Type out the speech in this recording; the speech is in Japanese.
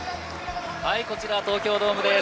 こちら、東京ドームです。